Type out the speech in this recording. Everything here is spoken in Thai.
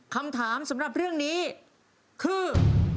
คำถามสำหรับเรื่องนี้คือ